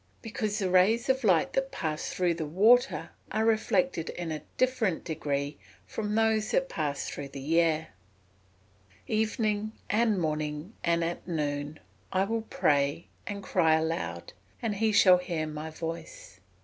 _ Because the rays of light that pass through the water are reflected in a different degree to those that pass through the air. [Verse: "Evening, and morning, and at noon, will I pray, and cry aloud; and he shall hear my voice."